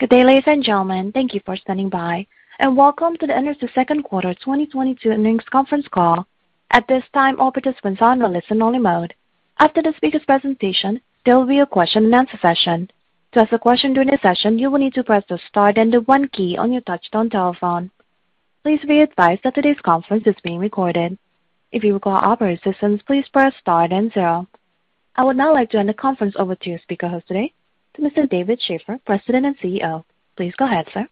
Good day, ladies and gentlemen. Thank you for standing by, and welcome to the EnerSys' second quarter 2022 earnings conference call. At this time, all participants are in listen-only mode. After the speaker presentation, there will be a question-and-answer session. To ask a question during the session, you will need to press the star then the one key on your touchtone telephone. Please be advised that today's conference is being recorded. If you require operator assistance, please press star then zero. I would now like to hand the conference over to your speaker host today, to Mr. David Shaffer, President and CEO. Please go ahead, sir.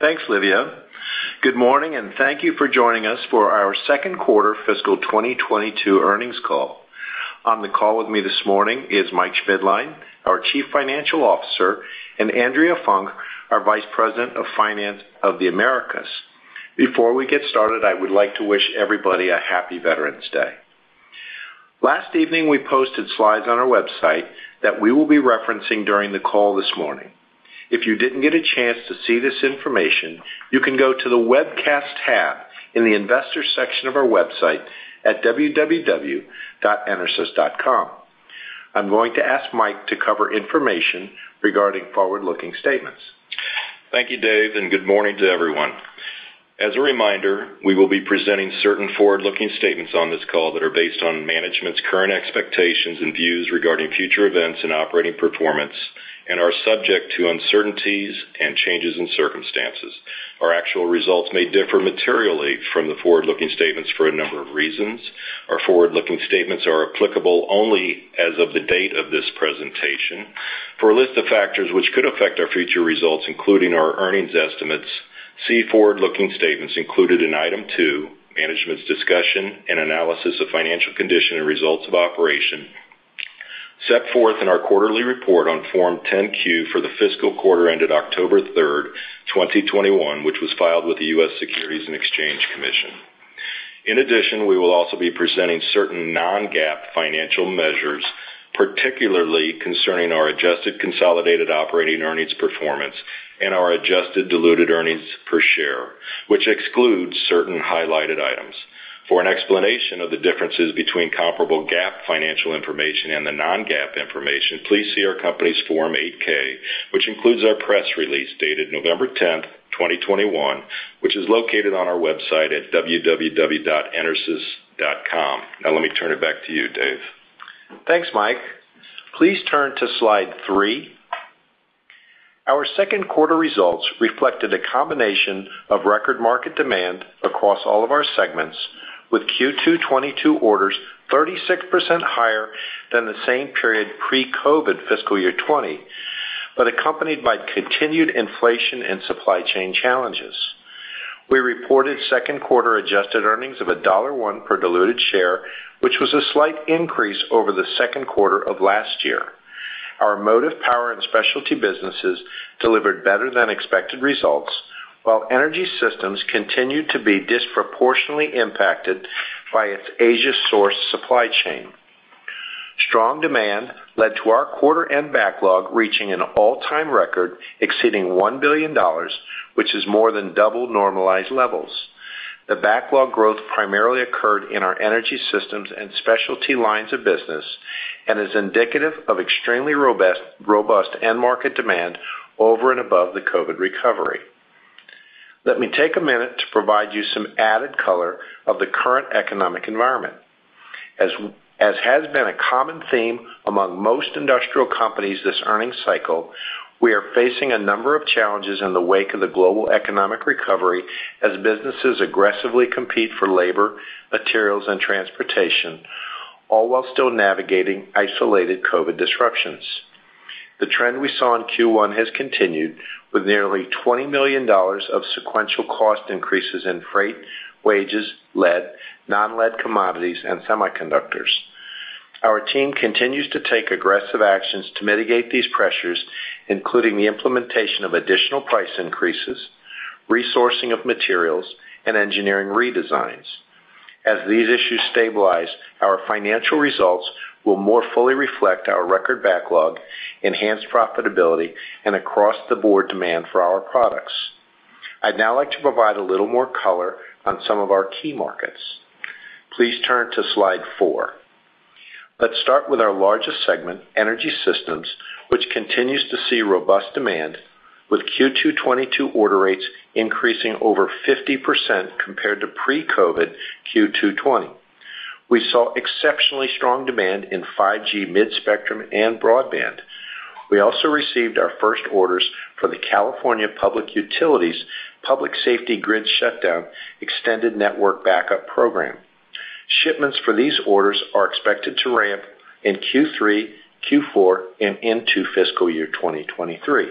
Thanks, Olivia. Good morning, and thank you for joining us for our second quarter fiscal 2022 earnings call. On the call with me this morning is Mike Schmidtlein, our Chief Financial Officer, and Andrea Funk, our Vice President of Finance of the Americas. Before we get started, I would like to wish everybody a Happy Veterans Day. Last evening, we posted slides on our website that we will be referencing during the call this morning. If you didn't get a chance to see this information, you can go to the Webcast tab in the Investors section of our website at www.enersys.com. I'm going to ask Mike to cover information regarding forward-looking statements. Thank you, Dave, and good morning to everyone. As a reminder, we will be presenting certain forward-looking statements on this call that are based on management's current expectations and views regarding future events and operating performance and are subject to uncertainties and changes in circumstances. Our actual results may differ materially from the forward-looking statements for a number of reasons. Our forward-looking statements are applicable only as of the date of this presentation. For a list of factors which could affect our future results, including our earnings estimates, see forward-looking statements included in Item 2, Management's Discussion and Analysis of Financial Condition and Results of Operations, set forth in our quarterly report on Form 10-Q for the fiscal quarter ended October 3rd, 2021, which was filed with the US Securities and Exchange Commission. In addition, we will also be presenting certain non-GAAP financial measures, particularly concerning our adjusted consolidated operating earnings performance and our adjusted diluted earnings per share, which excludes certain highlighted items. For an explanation of the differences between comparable GAAP financial information and the non-GAAP information, please see our company's Form 8-K, which includes our press release dated November 10th, 2021, which is located on our website at www.enersys.com. Now let me turn it back to you, Dave. Thanks, Mike. Please turn to slide three. Our second quarter results reflected a combination of record market demand across all of our segments, with Q2 2022 orders 36% higher than the same period pre-COVID fiscal year 2020, but accompanied by continued inflation and supply chain challenges. We reported second quarter adjusted earnings of $1 per diluted share, which was a slight increase over the second quarter of last year. Our Motive Power and Specialty businesses delivered better than expected results, while Energy Systems continued to be disproportionately impacted by its Asia-sourced supply chain. Strong demand led to our quarter-end backlog reaching an all-time record exceeding $1 billion, which is more than double normalized levels. The backlog growth primarily occurred in our Energy Systems and Specialty lines of business and is indicative of extremely robust end-market demand over and above the COVID recovery. Let me take a minute to provide you some added color of the current economic environment. As has been a common theme among most industrial companies this earnings cycle, we are facing a number of challenges in the wake of the global economic recovery as businesses aggressively compete for labor, materials, and transportation, all while still navigating isolated COVID disruptions. The trend we saw in Q1 has continued with nearly $20 million of sequential cost increases in freight, wages, lead, non-lead commodities, and semiconductors. Our team continues to take aggressive actions to mitigate these pressures, including the implementation of additional price increases, resourcing of materials, and engineering redesigns. As these issues stabilize, our financial results will more fully reflect our record backlog, enhanced profitability, and across-the-board demand for our products. I'd now like to provide a little more color on some of our key markets. Please turn to slide four. Let's start with our largest segment, Energy Systems, which continues to see robust demand with Q2 2022 order rates increasing over 50% compared to pre-COVID Q2 2020. We saw exceptionally strong demand in 5G mid-spectrum and broadband. We also received our first orders for the California Public Utilities Commission Public Safety Power Shutoff Extended Network Backup program. Shipments for these orders are expected to ramp in Q3, Q4, and into fiscal year 2023.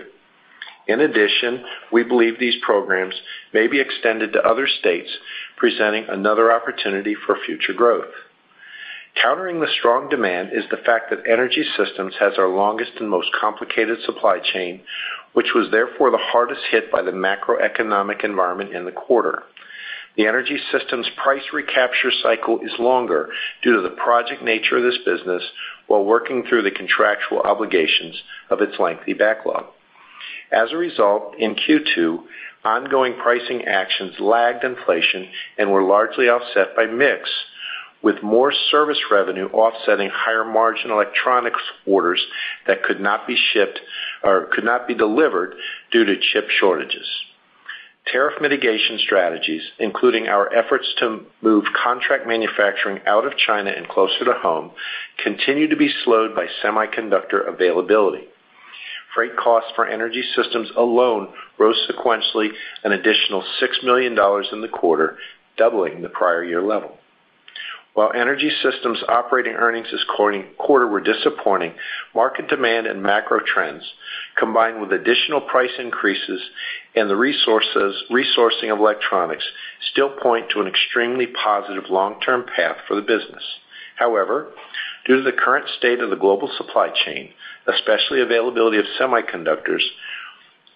In addition, we believe these programs may be extended to other states, presenting another opportunity for future growth. Countering the strong demand is the fact that Energy Systems has our longest and most complicated supply chain, which was therefore the hardest hit by the macroeconomic environment in the quarter. The Energy Systems price recapture cycle is longer due to the project nature of this business while working through the contractual obligations of its lengthy backlog. As a result, in Q2, ongoing pricing actions lagged inflation and were largely offset by mix. With more service revenue offsetting higher margin electronics orders that could not be shipped or could not be delivered due to chip shortages. Tariff mitigation strategies, including our efforts to move contract manufacturing out of China and closer to home, continue to be slowed by semiconductor availability. Freight costs for Energy Systems alone rose sequentially an additional $6 million in the quarter, doubling the prior year level. While Energy Systems operating earnings this quarter were disappointing, market demand and macro trends, combined with additional price increases and the resourcing of electronics, still point to an extremely positive long-term path for the business. However, due to the current state of the global supply chain, especially availability of semiconductors,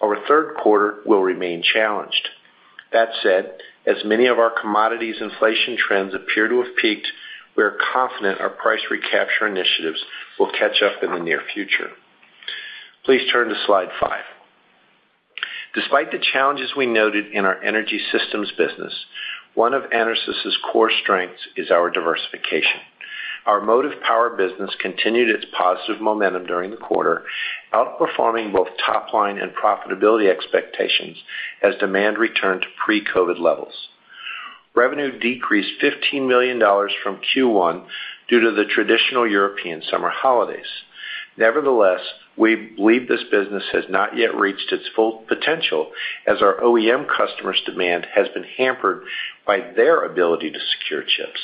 our third quarter will remain challenged. That said, as many of our commodities inflation trends appear to have peaked, we are confident our price recapture initiatives will catch up in the near future. Please turn to slide five. Despite the challenges we noted in our Energy Systems business, one of EnerSys' core strengths is our diversification. Our Motive Power business continued its positive momentum during the quarter, outperforming both top-line and profitability expectations as demand returned to pre-COVID levels. Revenue decreased $15 million from Q1 due to the traditional European summer holidays. Nevertheless, we believe this business has not yet reached its full potential as our OEM customers' demand has been hampered by their ability to secure chips.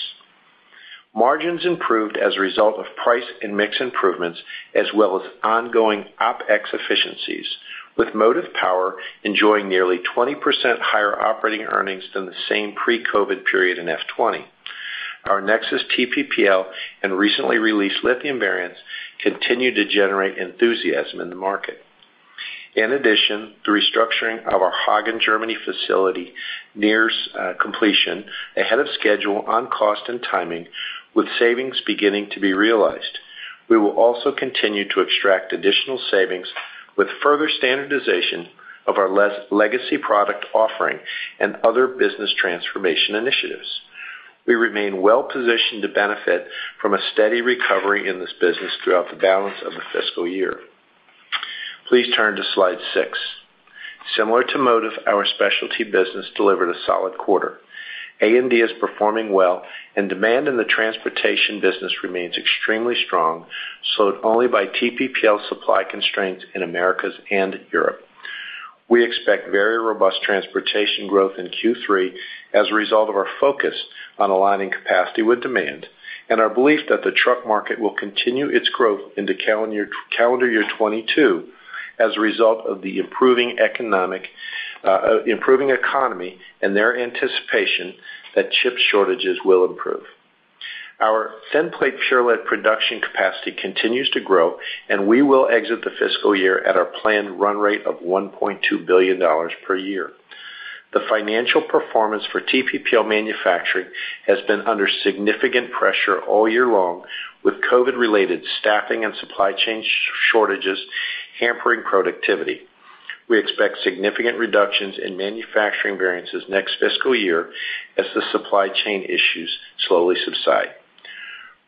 Margins improved as a result of price and mix improvements as well as ongoing OpEx efficiencies, with Motive Power enjoying nearly 20% higher operating earnings than the same pre-COVID period in FY 2020. Our NexSys TPPL and recently released lithium variants continue to generate enthusiasm in the market. In addition, the restructuring of our Hagen, Germany facility nears completion ahead of schedule on cost and timing, with savings beginning to be realized. We will also continue to extract additional savings with further standardization of our legacy product offering and other business transformation initiatives. We remain well-positioned to benefit from a steady recovery in this business throughout the balance of the fiscal year. Please turn to slide six. Similar to Motive Power, our Specialty business delivered a solid quarter. A&D is performing well, and demand in the transportation business remains extremely strong, slowed only by TPPL supply constraints in Americas and Europe. We expect very robust transportation growth in Q3 as a result of our focus on aligning capacity with demand, and our belief that the truck market will continue its growth into calendar year 2022 as a result of the improving economy and their anticipation that chip shortages will improve. Our thin plate pure lead production capacity continues to grow, and we will exit the fiscal year at our planned run rate of $1.2 billion per year. The financial performance for TPPL manufacturing has been under significant pressure all year long, with COVID-related staffing and supply chain shortages hampering productivity. We expect significant reductions in manufacturing variances next fiscal year as the supply chain issues slowly subside.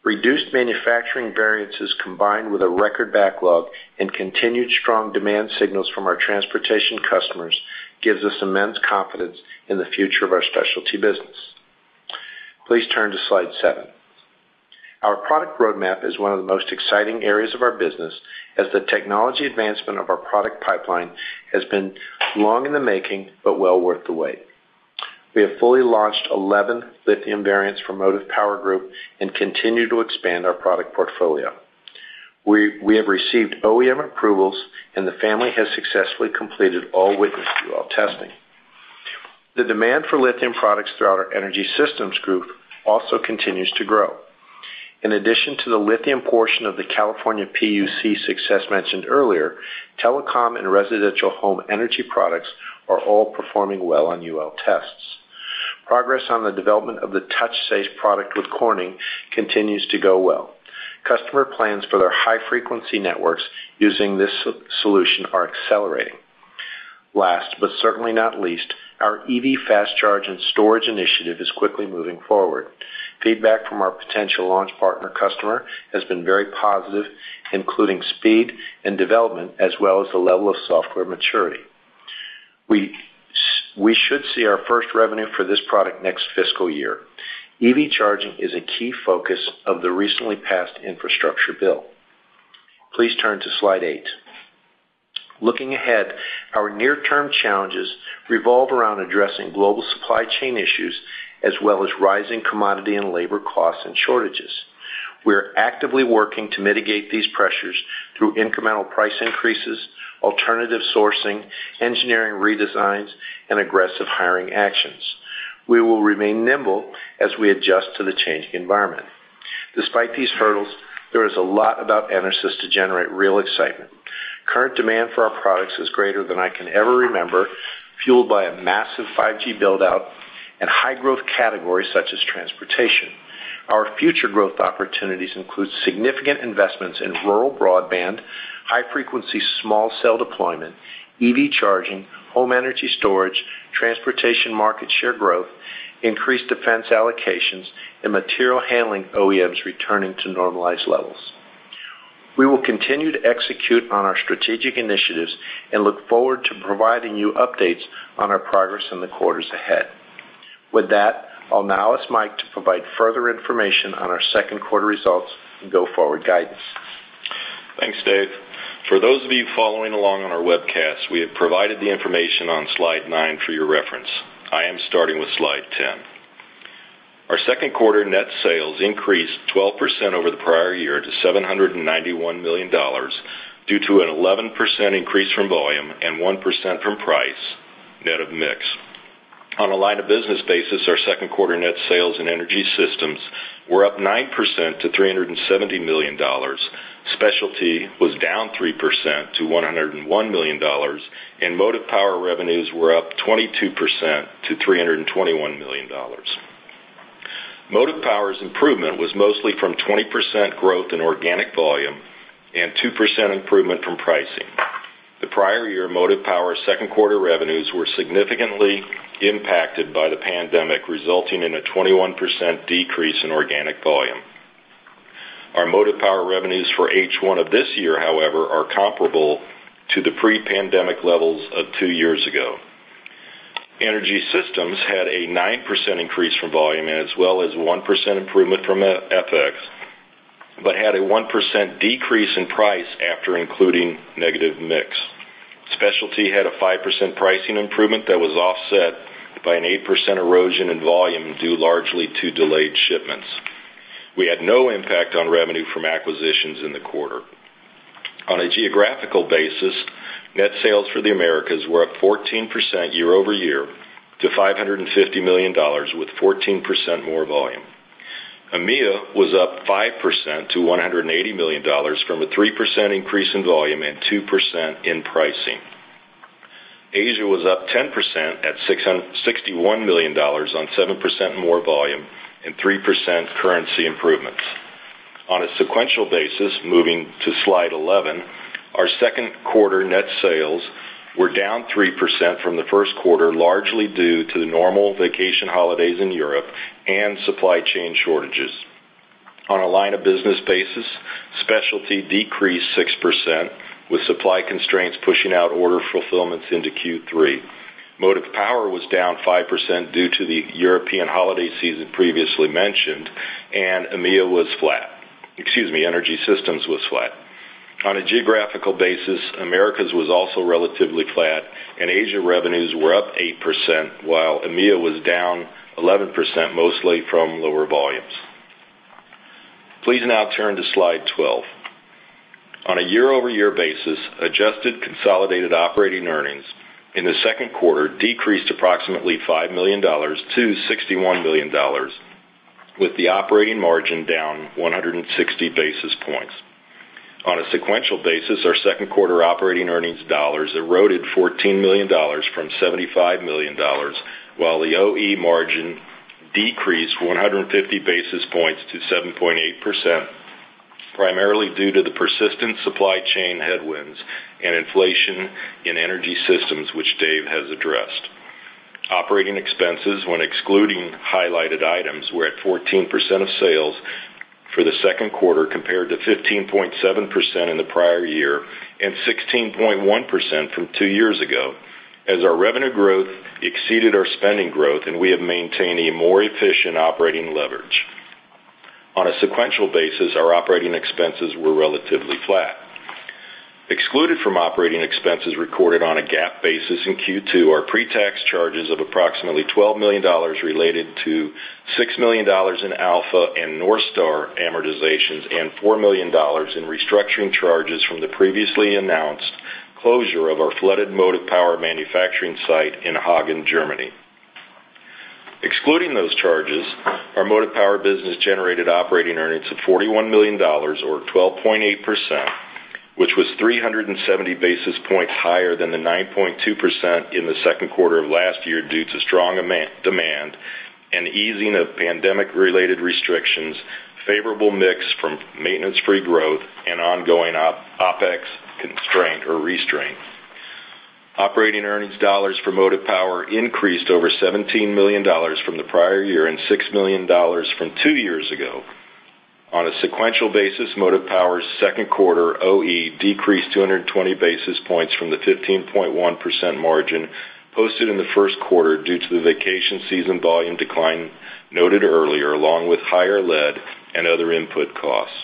Reduced manufacturing variances combined with a record backlog and continued strong demand signals from our transportation customers gives us immense confidence in the future of our specialty business. Please turn to slide seven. Our product roadmap is one of the most exciting areas of our business, as the technology advancement of our product pipeline has been long in the making but well worth the wait. We have fully launched 11 lithium variants for Motive Power Group and continue to expand our product portfolio. We have received OEM approvals, and the family has successfully completed all witness UL testing. The demand for lithium products throughout our Energy Systems Group also continues to grow. In addition to the lithium portion of the California PUC success mentioned earlier, telecom and residential home energy products are all performing well on UL tests. Progress on the development of the Touch Safe product with Corning continues to go well. Customer plans for their high-frequency networks using this solution are accelerating. Last but certainly not least, our EV fast charge and storage initiative is quickly moving forward. Feedback from our potential launch partner customer has been very positive, including speed and development as well as the level of software maturity. We should see our first revenue for this product next fiscal year. EV charging is a key focus of the recently passed infrastructure bill. Please turn to slide eight. Looking ahead, our near-term challenges revolve around addressing global supply chain issues as well as rising commodity and labor costs and shortages. We are actively working to mitigate these pressures through incremental price increases, alternative sourcing, engineering redesigns, and aggressive hiring actions. We will remain nimble as we adjust to the changing environment. Despite these hurdles, there is a lot about EnerSys to generate real excitement. Current demand for our products is greater than I can ever remember, fueled by a massive 5G build-out and high-growth categories such as transportation. Our future growth opportunities include significant investments in rural broadband, high-frequency small cell deployment, EV charging, home energy storage, transportation market share growth, increased defense allocations, and material handling OEMs returning to normalized levels. We will continue to execute on our strategic initiatives and look forward to providing you updates on our progress in the quarters ahead. With that, I'll now ask Mike to provide further information on our second quarter results and go-forward guidance. Thanks, Dave. For those of you following along on our webcast, we have provided the information on slide nine for your reference. I am starting with slide 10. Our second quarter net sales increased 12% over the prior year to $791 million due to an 11% increase from volume and 1% from price net of mix. On a line of business basis, our second quarter net sales in Energy Systems were up 9% to $370 million. Specialty was down 3% to $101 million, and Motive Power revenues were up 22% to $321 million. Motive Power's improvement was mostly from 20% growth in organic volume and 2% improvement from pricing. The prior year, Motive Power second-quarter revenues were significantly impacted by the pandemic, resulting in a 21% decrease in organic volume. Our Motive Power revenues for H1 of this year, however, are comparable to the pre-pandemic levels of two years ago. Energy Systems had a 9% increase from volume, as well as 1% improvement from FX, but had a 1% decrease in price after including negative mix. Specialty had a 5% pricing improvement that was offset by an 8% erosion in volume, due largely to delayed shipments. We had no impact on revenue from acquisitions in the quarter. On a geographical basis, net sales for the Americas were up 14% year-over-year to $550 million with 14% more volume. EMEA was up 5% to $180 million from a 3% increase in volume and 2% in pricing. Asia was up 10% at $61 million on 7% more volume and 3% currency improvements. On a sequential basis, moving to slide 11, our second quarter net sales were down 3% from the first quarter, largely due to the normal vacation holidays in Europe and supply chain shortages. On a line-of-business basis, Specialty decreased 6%, with supply constraints pushing out order fulfillments into Q3. Motive Power was down 5% due to the European holiday season previously mentioned, and EMEA was flat. Excuse me, Energy Systems was flat. On a geographical basis, Americas was also relatively flat and Asia revenues were up 8%, while EMEA was down 11%, mostly from lower volumes. Please now turn to slide 12. On a year-over-year basis, adjusted consolidated operating earnings in the second quarter decreased approximately $5 million to $61 million, with the operating margin down 160 basis points. On a sequential basis, our second quarter operating earnings dollars eroded $14 million from $75 million, while the OE margin decreased 150 basis points to 7.8%, primarily due to the persistent supply chain headwinds and inflation in Energy Systems which Dave has addressed. Operating expenses, when excluding highlighted items, were at 14% of sales for the second quarter, compared to 15.7% in the prior year and 16.1% from two years ago as our revenue growth exceeded our spending growth, and we have maintained a more efficient operating leverage. On a sequential basis, our operating expenses were relatively flat. Excluded from operating expenses recorded on a GAAP basis in Q2 are pre-tax charges of approximately $12 million related to $6 million in Alpha and NorthStar amortizations and $4 million in restructuring charges from the previously announced closure of our flooded Motive Power manufacturing site in Hagen, Germany. Excluding those charges, our Motive Power business generated operating earnings of $41 million or 12.8%, which was 370 basis points higher than the 9.2% in the second quarter of last year due to strong demand and easing of pandemic-related restrictions, favorable mix from maintenance-free growth and ongoing OpEx constraint or restraint. Operating earnings dollars for Motive Power increased over $17 million from the prior year and $6 million from two years ago. On a sequential basis, Motive Power's second quarter OE decreased 220 basis points from the 15.1% margin posted in the first quarter due to the vacation season volume decline noted earlier, along with higher lead and other input costs.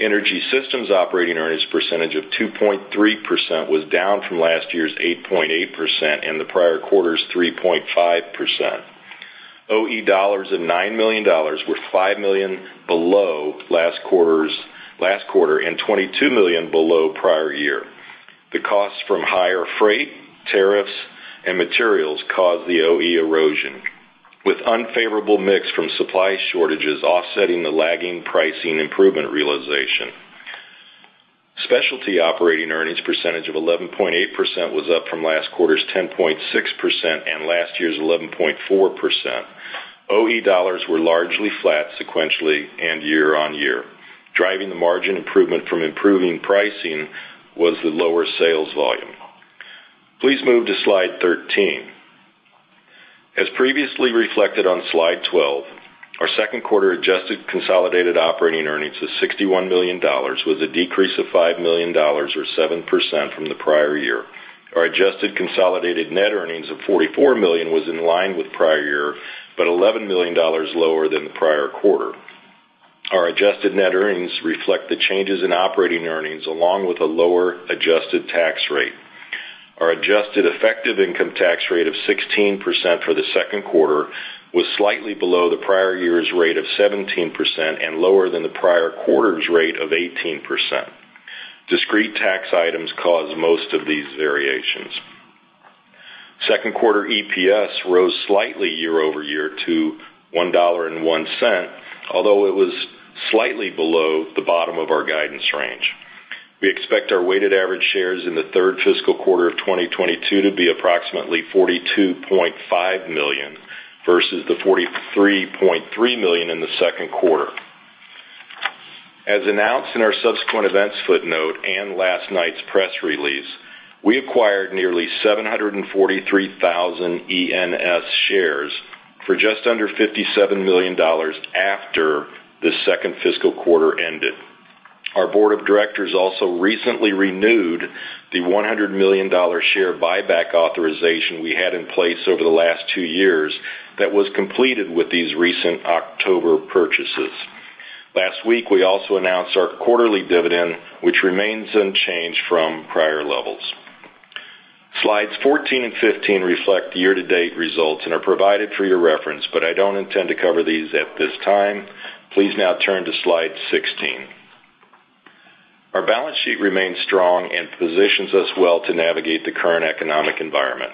Energy Systems' operating earnings percentage of 2.3% was down from last year's 8.8% and the prior quarter's 3.5%. OE dollars of $9 million were $5 million below last quarter and $22 million below prior year. The costs from higher freight, tariffs, and materials caused the OE erosion, with unfavorable mix from supply shortages offsetting the lagging pricing improvement realization. Specialty operating earnings percentage of 11.8% was up from last quarter's 10.6% and last year's 11.4%. OE dollars were largely flat sequentially and year-over-year. Driving the margin improvement from improving pricing was the lower sales volume. Please move to slide 13. As previously reflected on slide 12, our second quarter adjusted consolidated operating earnings is $61 million, with a decrease of $5 million or 7% from the prior year. Our adjusted consolidated net earnings of $44 million was in line with prior year, but $11 million lower than the prior quarter. Our adjusted net earnings reflect the changes in operating earnings along with a lower adjusted tax rate. Our adjusted effective income tax rate of 16% for the second quarter was slightly below the prior year's rate of 17% and lower than the prior quarter's rate of 18%. Discrete tax items caused most of these variations. Second quarter EPS rose slightly year-over-year to $1.01, although it was slightly below the bottom of our guidance range. We expect our weighted average shares in the third fiscal quarter of 2022 to be approximately 42.5 million, versus the 43.3 million in the second quarter. As announced in our subsequent events footnote and last night's press release, we acquired nearly 743,000 ENS shares for just under $57 million after the second fiscal quarter ended. Our board of directors also recently renewed the $100 million share buyback authorization we had in place over the last two years that was completed with these recent October purchases. Last week, we also announced our quarterly dividend, which remains unchanged from prior levels. Slides 14 and 15 reflect year-to-date results and are provided for your reference, but I don't intend to cover these at this time. Please now turn to slide 16. Our balance sheet remains strong and positions us well to navigate the current economic environment.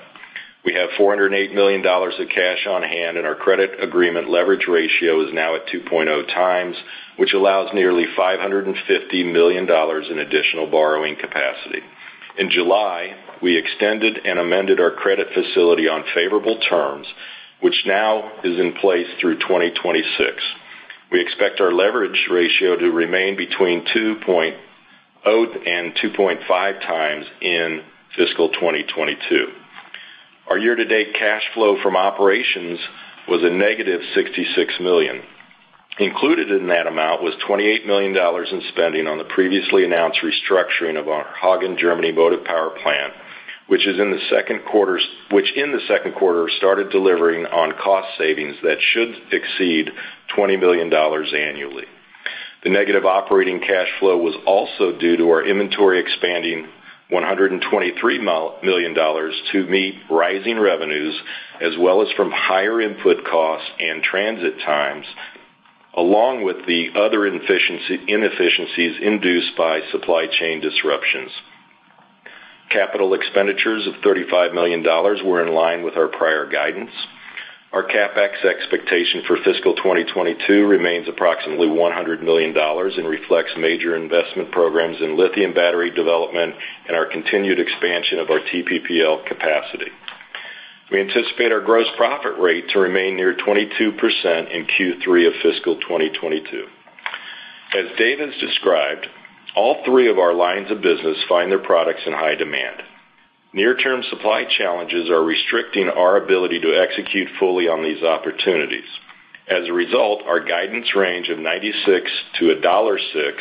We have $408 million of cash on hand, and our credit agreement leverage ratio is now at 2.0x, which allows nearly $550 million in additional borrowing capacity. In July, we extended and amended our credit facility on favorable terms, which now is in place through 2026. We expect our leverage ratio to remain between 2.0 and 2.5x in fiscal 2022. Our year-to-date cash flow from operations was a negative $66 million. Included in that amount was $28 million in spending on the previously announced restructuring of our Hagen, Germany Motive Power plant, which in the second quarter started delivering on cost savings that should exceed $20 million annually. The negative operating cash flow was also due to our inventory expanding $123 million to meet rising revenues, as well as from higher input costs and transit times, along with the other inefficiencies induced by supply chain disruptions. Capital expenditures of $35 million were in line with our prior guidance. Our CapEx expectation for fiscal 2022 remains approximately $100 million and reflects major investment programs in lithium battery development and our continued expansion of our TPPL capacity. We anticipate our gross profit rate to remain near 22% in Q3 of fiscal 2022. As Dave has described, all three of our lines of business find their products in high demand. Near-term supply challenges are restricting our ability to execute fully on these opportunities. As a result, our guidance range of $0.96-$1.06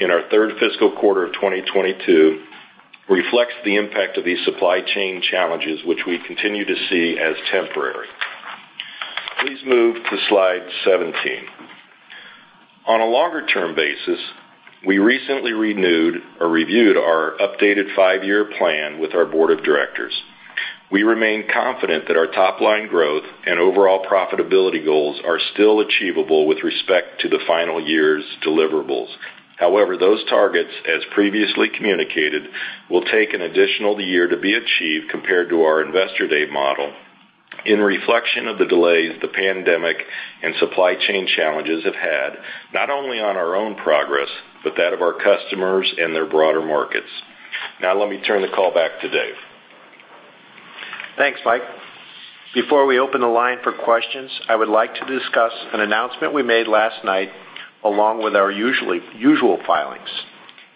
in our third fiscal quarter of 2022 reflects the impact of these supply chain challenges, which we continue to see as temporary. Please move to slide 17. On a longer term basis, we recently renewed or reviewed our updated five-year plan with our board of directors. We remain confident that our top-line growth and overall profitability goals are still achievable with respect to the final year's deliverables. However, those targets, as previously communicated, will take an additional year to be achieved compared to our investor day model in reflection of the delays the pandemic and supply chain challenges have had, not only on our own progress, but that of our customers and their broader markets. Now let me turn the call back to Dave. Thanks, Mike. Before we open the line for questions, I would like to discuss an announcement we made last night along with our usual filings.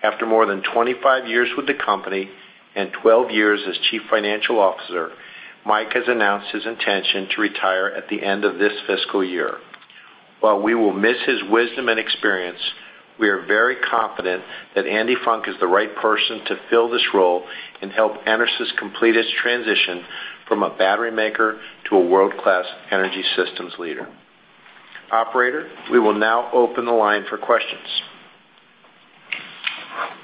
After more than 25 years with the company and 12 years as chief financial officer, Mike has announced his intention to retire at the end of this fiscal year. While we will miss his wisdom and experience, we are very confident that Andi Funk is the right person to fill this role and help EnerSys complete its transition from a battery maker to a world-class Energy Systems leader. Operator, we will now open the line for questions.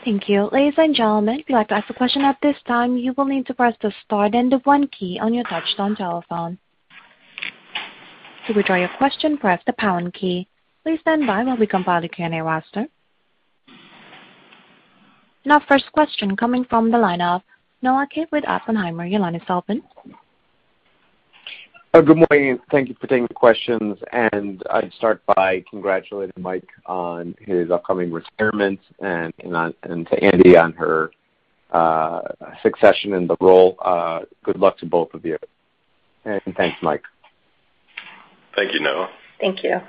Thank you. Ladies and gentlemen, if you'd like to ask a question at this time, you will need to press the star then the one key on your touchtone telephone. To withdraw your question, press the pound key. Please stand by while we compile the Q&A roster. Now first question coming from the line of Noah Kaye with Oppenheimer. Your line is open. Good morning. Thank you for taking the questions. I'd start by congratulating Mike on his upcoming retirement and to Andi on her succession in the role. Good luck to both of you. Thanks, Mike. Thank you, Noah. Thank you.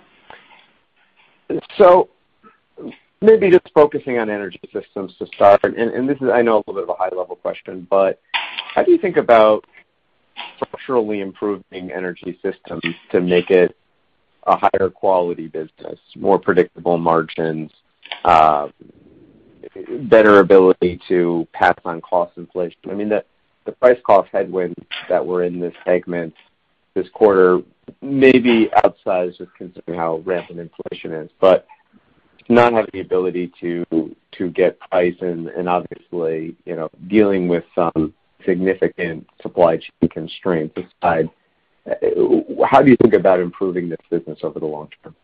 Maybe just focusing on Energy Systems to start, this is, I know, a little bit of a high level question. How do you think about structurally improving Energy Systems to make it a higher quality business, more predictable margins, better ability to pass on cost inflation? I mean, the price cost headwinds that were in this segment this quarter may be outsized when considering how rampant inflation is. To not have the ability to get price and obviously, you know, dealing with some significant supply chain constraints aside, how do you think about improving this business over the long term?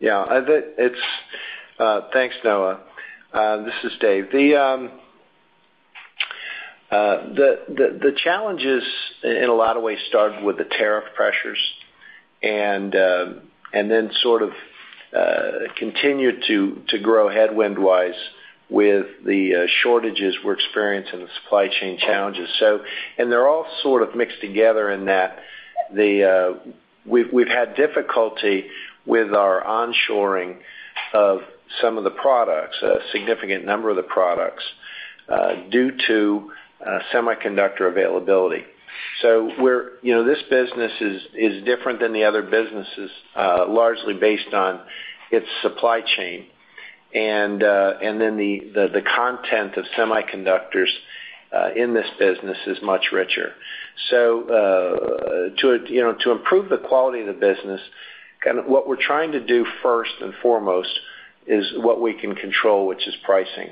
Yeah, I bet it's. Thanks, Noah. This is Dave. The challenges in a lot of ways started with the tariff pressures and then sort of continued to grow headwind-wise with the shortages we're experiencing and supply chain challenges. They're all sort of mixed together in that. We've had difficulty with our onshoring of some of the products, a significant number of the products, due to semiconductor availability. You know, this business is different than the other businesses, largely based on its supply chain. Then the content of semiconductors in this business is much richer. To improve the quality of the business, kind of what we're trying to do first and foremost is what we can control, which is pricing.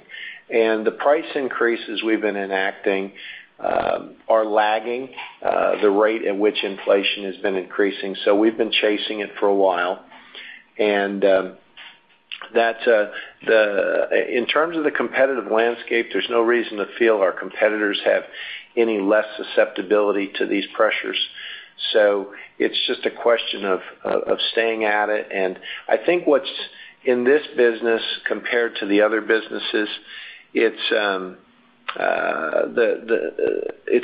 The price increases we've been enacting are lagging the rate at which inflation has been increasing, so we've been chasing it for a while. In terms of the competitive landscape, there's no reason to feel our competitors have any less susceptibility to these pressures. It's just a question of staying at it. I think what's in this business compared to the other businesses, it's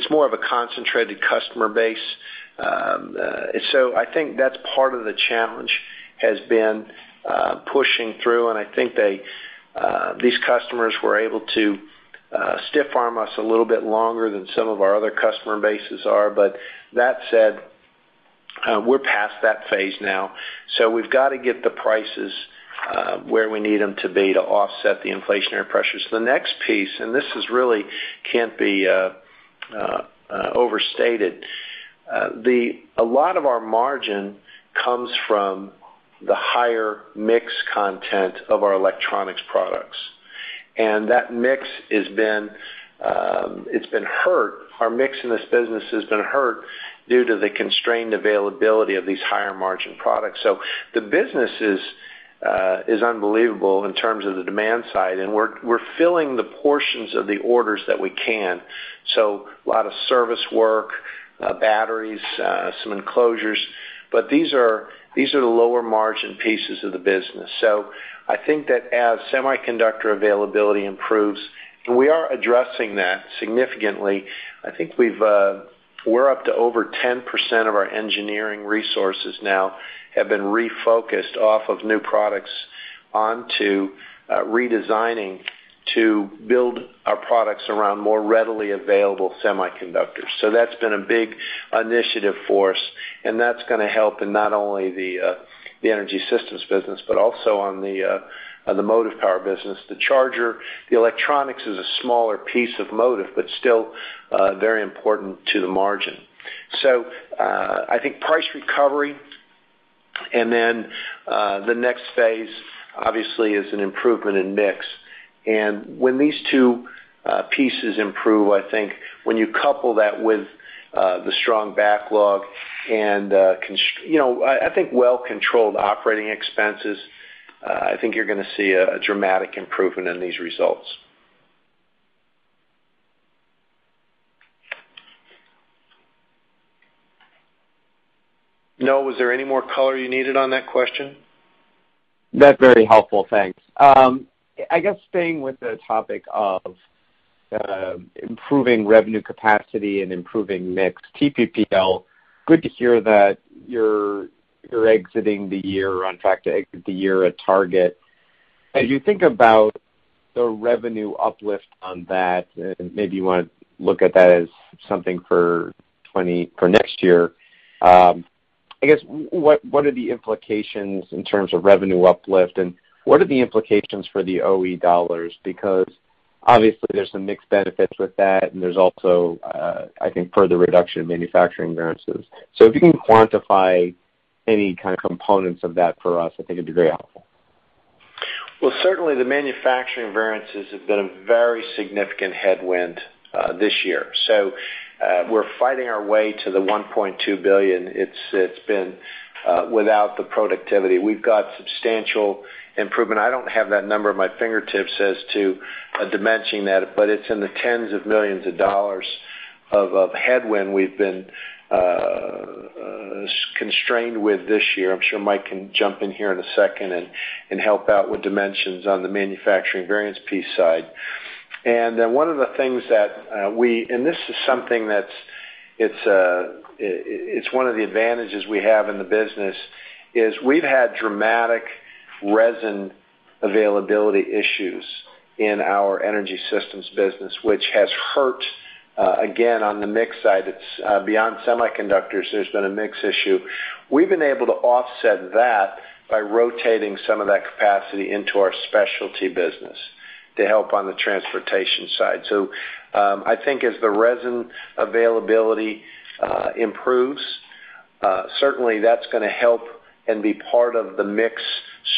more of a concentrated customer base. I think that's part of the challenge has been pushing through, and I think they, these customers were able to stiff-arm us a little bit longer than some of our other customer bases are. That said, we're past that phase now, so we've got to get the prices where we need them to be to offset the inflationary pressures. The next piece, this really can't be overstated. A lot of our margin comes from the higher mix content of our electronics products. That mix has been hurt. Our mix in this business has been hurt due to the constrained availability of these higher margin products. The business is unbelievable in terms of the demand side, and we're filling the portions of the orders that we can. A lot of service work, batteries, some enclosures, but these are the lower margin pieces of the business. I think that as semiconductor availability improves, and we are addressing that significantly. I think we're up to over 10% of our engineering resources now have been refocused off of new products onto redesigning to build our products around more readily available semiconductors. That's been a big initiative for us, and that's gonna help in not only the Energy Systems business, but also on the Motive Power business. The charger, the electronics is a smaller piece of Motive, but still very important to the margin. I think price recovery, and then the next phase obviously is an improvement in mix. When these two pieces improve, I think when you couple that with the strong backlog and, you know, I think well-controlled operating expenses, I think you're gonna see a dramatic improvement in these results. Noah, was there any more color you needed on that question? That's very helpful. Thanks. I guess staying with the topic of improving revenue capacity and improving mix, TPPL, good to hear that you're exiting the year on track to exit the year at target. As you think about the revenue uplift on that, and maybe you wanna look at that as something for next year, I guess what are the implications in terms of revenue uplift, and what are the implications for the OE dollars? Because obviously, there's some mix benefits with that, and there's also, I think, further reduction in manufacturing variances. If you can quantify any kind of components of that for us, I think it'd be very helpful. Well, certainly the manufacturing variances have been a very significant headwind this year. We're fighting our way to the $1.2 billion. It's been without the productivity. We've got substantial improvement. I don't have that number at my fingertips as to dimensioning that, but it's in the tens of millions of dollars of headwind we've been constrained with this year. I'm sure Mike can jump in here in a second and help out with dimensions on the manufacturing variance piece side. Then one of the things that. This is something that's It's one of the advantages we have in the business, is we've had dramatic resin availability issues in our Energy Systems business, which has hurt again on the mix side. It's beyond semiconductors, there's been a mix issue. We've been able to offset that by rotating some of that capacity into our specialty business to help on the transportation side. I think as the resin availability improves, certainly that's gonna help and be part of the mix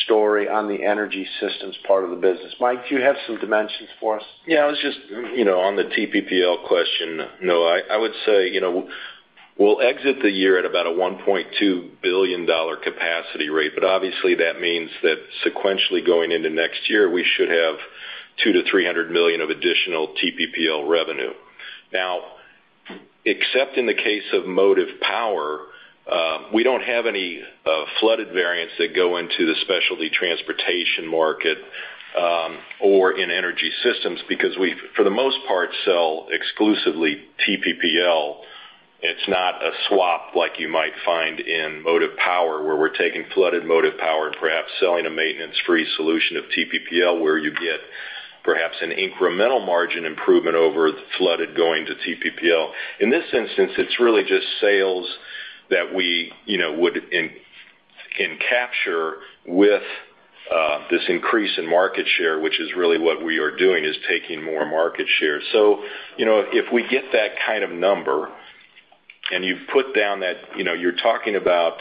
story on the Energy Systems part of the business. Mike, do you have some dimensions for us? Yeah, I was just, you know, on the TPPL question. No, I would say, you know, we'll exit the year at about a $1.2 billion capacity rate. Obviously, that means that sequentially going into next year, we should have $200 million-$300 million of additional TPPL revenue. Now, except in the case of Motive Power, we don't have any flooded variants that go into the specialty transportation market, or in Energy Systems, because we, for the most part, sell exclusively TPPL. It's not a swap like you might find in Motive Power, where we're taking flooded Motive Power and perhaps selling a maintenance-free solution of TPPL, where you get perhaps an incremental margin improvement over the flooded going to TPPL. In this instance, it's really just sales that we, you know, would capture with this increase in market share, which is really what we are doing, is taking more market share. You know, if we get that kind of number, and you put down that, you know, you're talking about.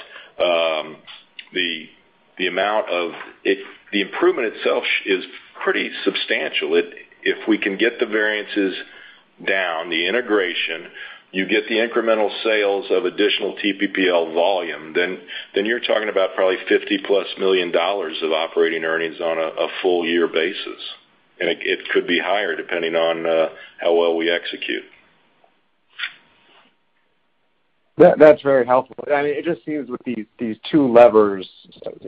If the improvement itself is pretty substantial. If we can get the variances down, the integration, you get the incremental sales of additional TPPL volume, then you're talking about probably $50+ million of operating earnings on a full-year basis. It could be higher, depending on how well we execute. That, that's very helpful. I mean, it just seems with these two levers,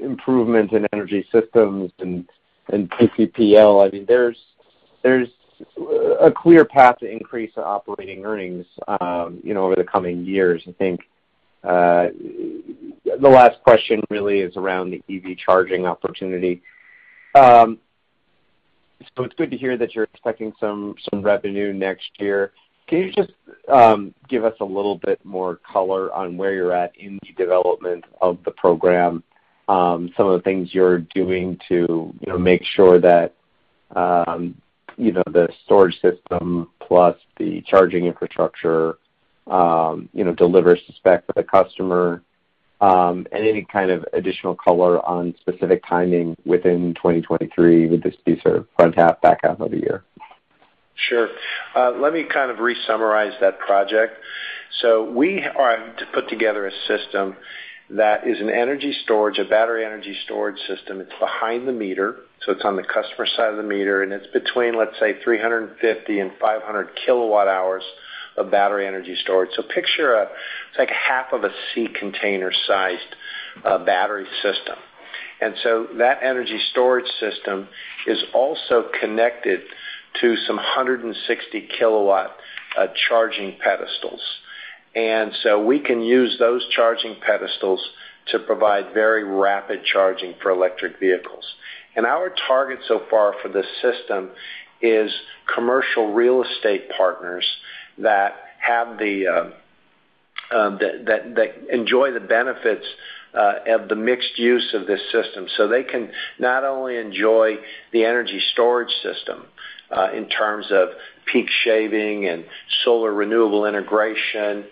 improvement in Energy Systems and TPPL, I mean, there's a clear path to increase the operating earnings, you know, over the coming years. I think, the last question really is around the EV charging opportunity. It's good to hear that you're expecting some revenue next year. Can you just give us a little bit more color on where you're at in the development of the program, some of the things you're doing to, you know, make sure that, you know, the storage system plus the charging infrastructure, you know, delivers the spec for the customer, and any kind of additional color on specific timing within 2023. Would this be sort of front half, back half of the year? Sure. Let me kind of re-summarize that project. We are to put together a system that is an energy storage, a battery energy storage system. It's behind the meter, so it's on the customer side of the meter, and it's between, let's say, 350 and 500 kWh of battery energy storage. Picture a, it's like half of a sea container-sized battery system. That energy storage system is also connected to some 160 kW charging pedestals. We can use those charging pedestals to provide very rapid charging for electric vehicles. Our target so far for this system is commercial real estate partners that have the that enjoy the benefits of the mixed use of this system. They can not only enjoy the energy storage system in terms of peak shaving and solar renewable integration,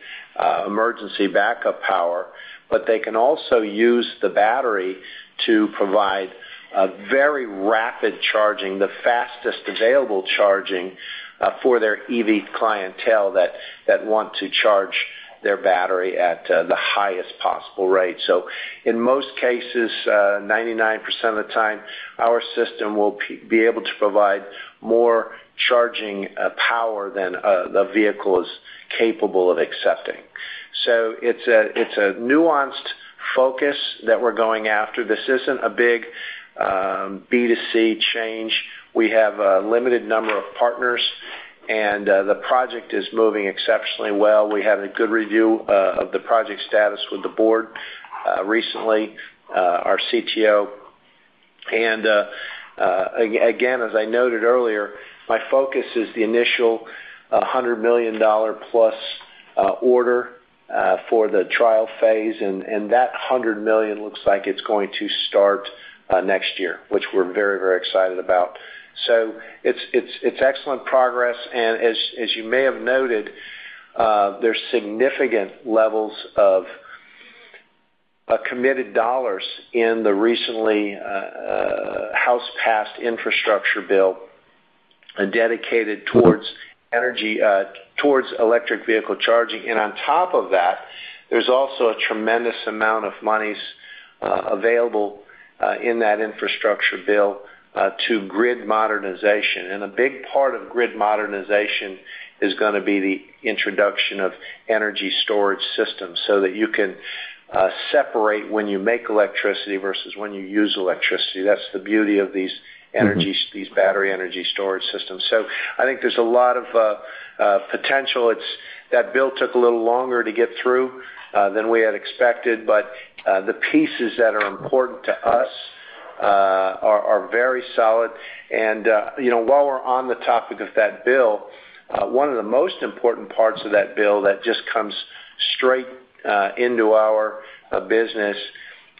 emergency backup power, but they can also use the battery to provide a very rapid charging, the fastest available charging, for their EV clientele that want to charge their battery at the highest possible rate. In most cases, 99% of the time, our system will be able to provide more charging power than the vehicle is capable of accepting. It's a nuanced focus that we're going after. This isn't a big B to C change. We have a limited number of partners, and the project is moving exceptionally well. We had a good review of the project status with the board recently, our CTO. Again, as I noted earlier, my focus is the initial $100 million plus order for the trial phase. That $100 million looks like it's going to start next year, which we're very excited about. It's excellent progress, and as you may have noted, there's significant levels of committed dollars in the recently House-passed infrastructure bill dedicated towards energy, towards electric vehicle charging. On top of that, there's also a tremendous amount of money's available in that infrastructure bill to grid modernization. A big part of grid modernization is gonna be the introduction of energy storage systems, so that you can separate when you make electricity versus when you use electricity. That's the beauty of these energy- Mm-hmm. These battery energy storage systems. I think there's a lot of potential. It's that bill took a little longer to get through than we had expected, but the pieces that are important to us are very solid. You know, while we're on the topic of that bill, one of the most important parts of that bill that just comes straight into our business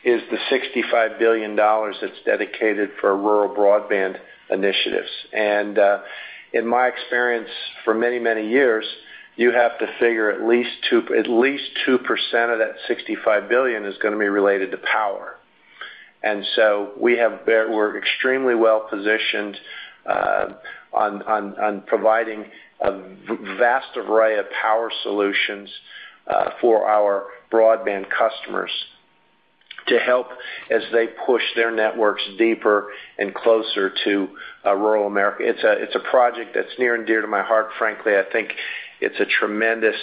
is the $65 billion that's dedicated for rural broadband initiatives. In my experience, for many, many years, you have to figure at least 2% of that $65 billion is gonna be related to power. We're extremely well-positioned on providing a vast array of power solutions for our broadband customers to help as they push their networks deeper and closer to rural America. It's a project that's near and dear to my heart, frankly. I think it's a tremendous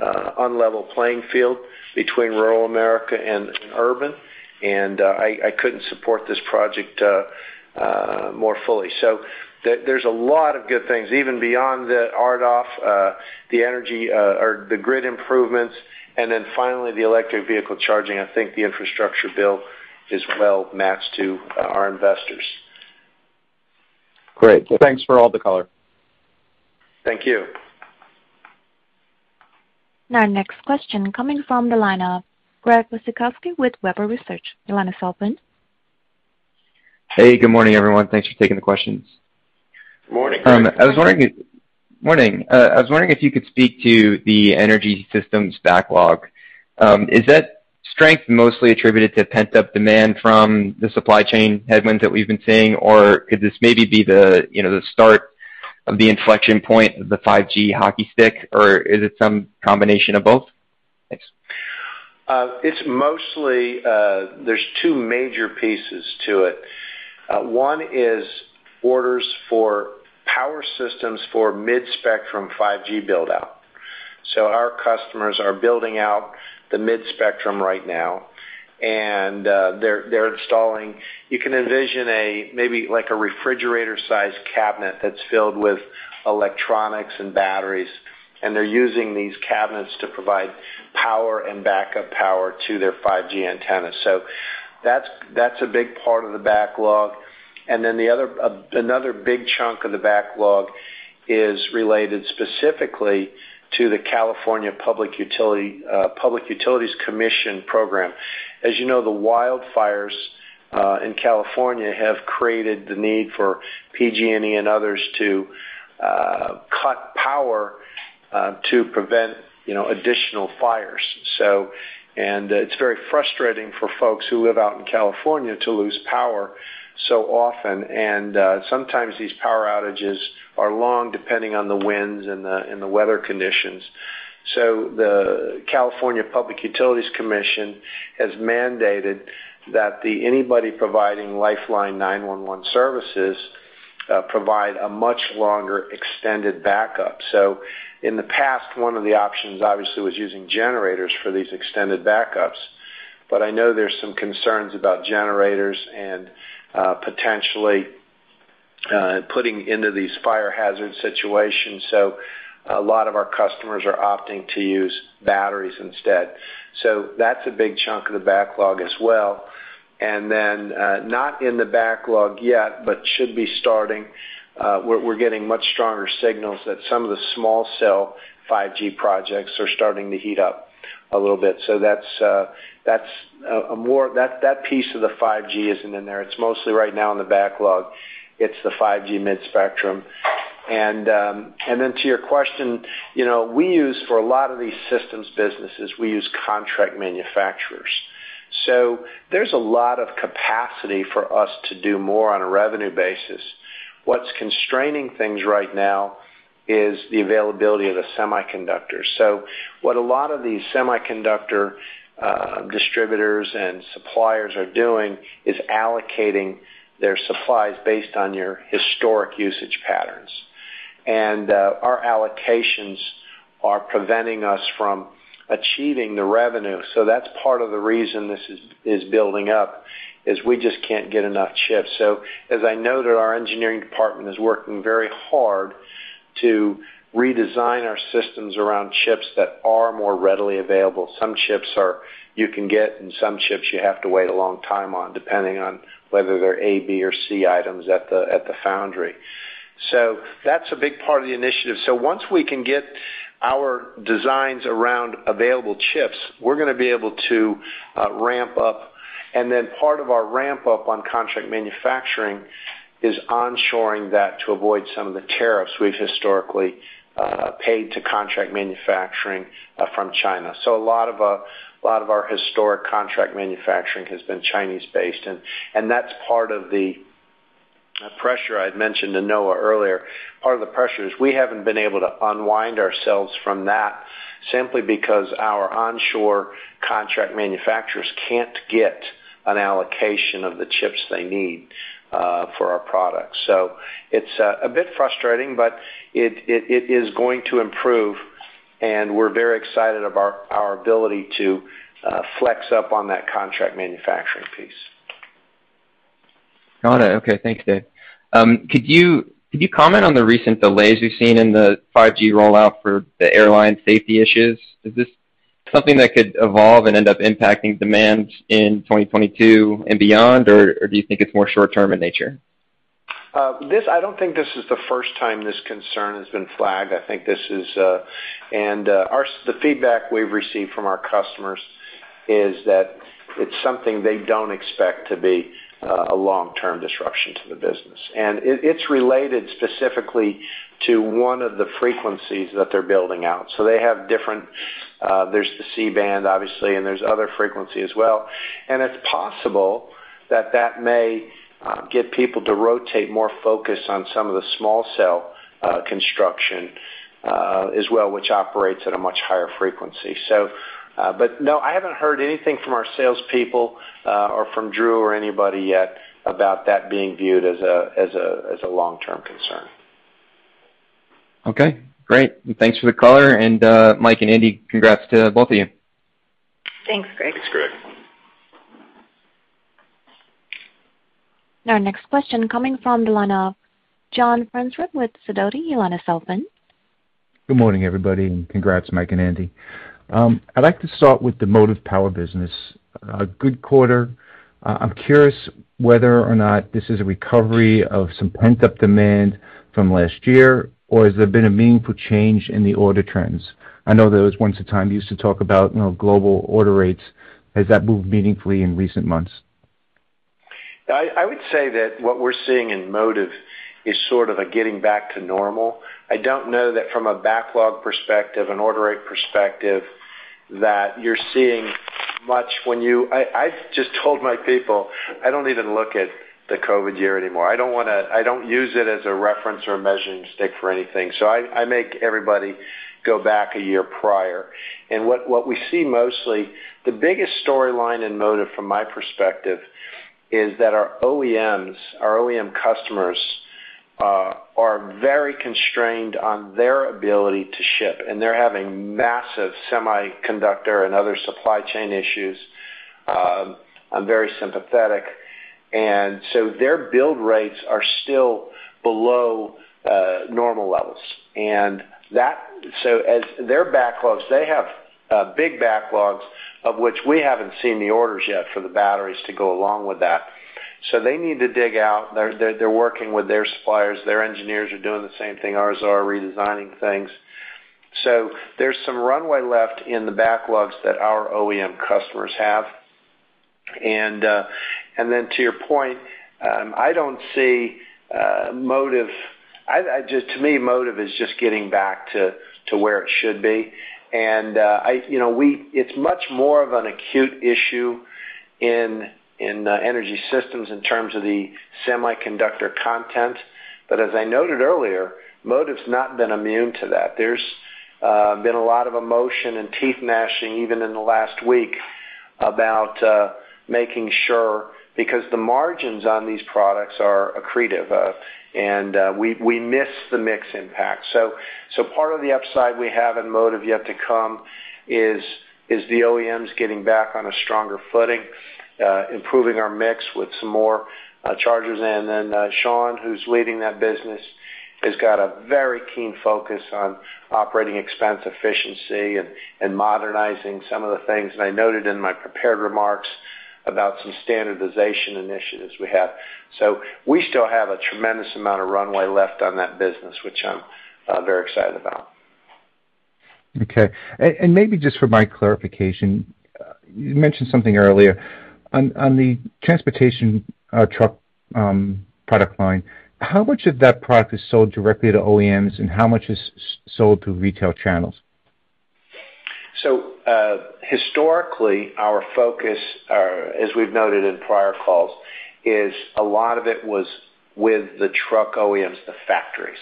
unlevel playing field between rural America and urban. I couldn't support this project more fully. There's a lot of good things, even beyond the RDOF, the energy or the grid improvements, and then finally, the electric vehicle charging. I think the infrastructure bill is well matched to our investors. Great. Thanks for all the color. Thank you. Now, next question coming from the line of Greg Wasikowski with Webber Research. Your line is open. Hey, good morning, everyone. Thanks for taking the questions. Good morning, Greg. Morning, I was wondering if you could speak to the Energy Systems backlog. Is that strength mostly attributed to pent-up demand from the supply chain headwinds that we've been seeing? Could this maybe be the, you know, the start of the inflection point of the 5G hockey stick, or is it some combination of both? Thanks. It's mostly, there's two major pieces to it. One is orders for power systems for mid-spectrum 5G build-out. Our customers are building out the mid-spectrum right now, and they're installing. You can envision maybe, like a refrigerator-sized cabinet that's filled with electronics and batteries, and they're using these cabinets to provide power and backup power to their 5G antennas. That's a big part of the backlog. Another big chunk of the backlog is related specifically to the California Public Utilities Commission program. As you know, the wildfires in California have created the need for PG&E and others to cut power to prevent, you know, additional fires. It's very frustrating for folks who live out in California to lose power so often. Sometimes these power outages are long, depending on the winds and the weather conditions. The California Public Utilities Commission has mandated that anybody providing lifeline 911 services provide a much longer extended backup. In the past, one of the options obviously was using generators for these extended backups. I know there's some concerns about generators and, potentially, putting into these fire hazard situations. A lot of our customers are opting to use batteries instead. That's a big chunk of the backlog as well. Not in the backlog yet, but should be starting, we're getting much stronger signals that some of the small cell 5G projects are starting to heat up a little bit. That's. That piece of the 5G isn't in there. It's mostly right now in the backlog. It's the 5G mid-spectrum. To your question, you know, we use contract manufacturers. There's a lot of capacity for us to do more on a revenue basis. What's constraining things right now is the availability of the semiconductors. What a lot of these semiconductor distributors and suppliers are doing is allocating their supplies based on your historic usage patterns. Our allocations are preventing us from achieving the revenue. That's part of the reason this is building up. We just can't get enough chips. As I noted, our engineering department is working very hard to redesign our systems around chips that are more readily available. Some chips you can get, and some chips you have to wait a long time on, depending on whether they're A, B, or C items at the foundry. That's a big part of the initiative. Once we can get our designs around available chips, we're gonna be able to ramp up. Part of our ramp-up on contract manufacturing is onshoring that to avoid some of the tariffs we've historically paid to contract manufacturing from China. A lot of our historic contract manufacturing has been Chinese-based, and that's part of the pressure I'd mentioned to Noah earlier. Part of the pressure is we haven't been able to unwind ourselves from that simply because our onshore contract manufacturers can't get an allocation of the chips they need for our products. It's a bit frustrating, but it is going to improve, and we're very excited of our ability to flex up on that contract manufacturing piece. Got it. Okay. Thanks, Dave. Could you comment on the recent delays we've seen in the 5G rollout for the airline safety issues? Is this something that could evolve and end up impacting demand in 2022 and beyond, or do you think it's more short-term in nature? I don't think this is the first time this concern has been flagged. I think this is the feedback we've received from our customers, that it's something they don't expect to be a long-term disruption to the business. It's related specifically to one of the frequencies that they're building out. They have different, there's the C-band obviously, and there's other frequency as well. It's possible that may get people to rotate more focus on some of the small cell construction as well, which operates at a much higher frequency. No, I haven't heard anything from our salespeople or from Drew or anybody yet about that being viewed as a long-term concern. Okay, great. Thanks for the color. Mike and Andi, congrats to both of you. Thanks, Greg. Thanks, Greg. Our next question coming from the line of John Franzreb with Sidoti. Good morning, everybody, and congrats, Mike and Andi. I'd like to start with the Motive Power business. A good quarter. I'm curious whether or not this is a recovery of some pent-up demand from last year, or has there been a meaningful change in the order trends? I know there was once a time you used to talk about, you know, global order rates. Has that moved meaningfully in recent months? I would say that what we're seeing in Motive is sort of a getting back to normal. I don't know that from a backlog perspective, an order rate perspective, that you're seeing much. I just told my people, I don't even look at the COVID year anymore. I don't wanna use it as a reference or a measuring stick for anything. I make everybody go back a year prior. What we see mostly, the biggest storyline in Motive from my perspective is that our OEMs, our OEM customers, are very constrained on their ability to ship, and they're having massive semiconductor and other supply chain issues. I'm very sympathetic. Their build rates are still below normal levels. As their backlogs, they have big backlogs of which we haven't seen the orders yet for the batteries to go along with that. They need to dig out. They're working with their suppliers. Their engineers are doing the same thing, ours are redesigning things. There's some runway left in the backlogs that our OEM customers have. To your point, I don't see Motive. To me, Motive is just getting back to where it should be. You know, it's much more of an acute issue in Energy Systems in terms of the semiconductor content. As I noted earlier, Motive's not been immune to that. There's been a lot of emotion and teeth gnashing even in the last week about making sure, because the margins on these products are accretive, and we miss the mix impact. Part of the upside we have in Motive yet to come is the OEMs getting back on a stronger footing, improving our mix with some more chargers in. Shawn, who's leading that business, has got a very keen focus on operating expense efficiency and modernizing some of the things. I noted in my prepared remarks about some standardization initiatives we have. We still have a tremendous amount of runway left on that business, which I'm very excited about. Okay. Maybe just for my clarification, you mentioned something earlier. On the transportation truck product line, how much of that product is sold directly to OEMs and how much is sold through retail channels? Historically, our focus, as we've noted in prior calls, is a lot of it was with the truck OEMs, the factories.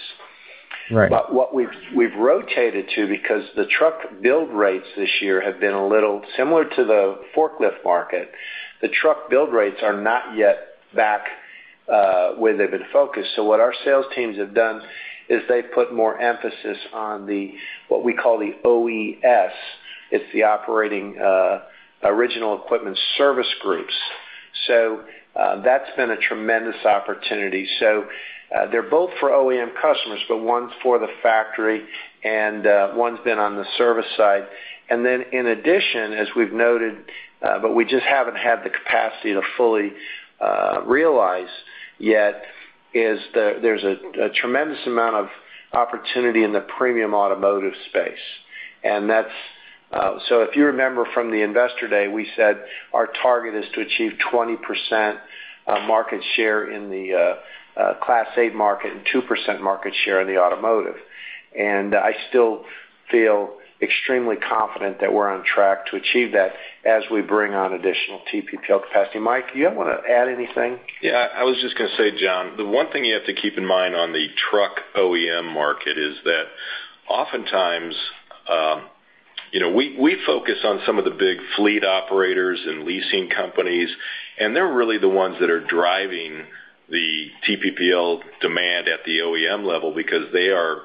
Right. What we've rotated to, because the truck build rates this year have been a little similar to the forklift market, the truck build rates are not yet back where they've been focused. What our sales teams have done is they've put more emphasis on the, what we call the OES. It's the operating original equipment service groups. That's been a tremendous opportunity. They're both for OEM customers, but one's for the factory, and one's been on the service side. In addition, as we've noted, but we just haven't had the capacity to fully realize yet, there's a tremendous amount of opportunity in the premium automotive space. That's if you remember from the Investor Day, we said our target is to achieve 20% market share in the Class 8 market and 2% market share in the automotive. I still feel extremely confident that we're on track to achieve that as we bring on additional TPPL capacity. Mike, do you wanna add anything? Yeah, I was just gonna say, John, the one thing you have to keep in mind on the truck OEM market is that oftentimes, you know, we focus on some of the big fleet operators and leasing companies, and they're really the ones that are driving the TPPL demand at the OEM level because they are